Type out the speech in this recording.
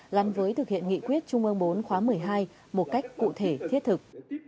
gắn với thực hiện nghị quyết trung ương bốn khóa một mươi hai một cách cụ thể thiết thực